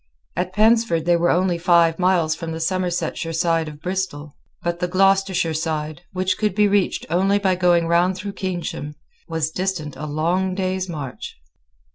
At Pensford they were only five miles from the Somersetshire side of Bristol; but the Gloucestershire side, which could be reached only by going round through Keynsham, was distant a long day's march.